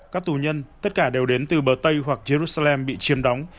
các tù nhân tất cả đều đến từ bờ tây hoặc jerusalem bị chiêm đóng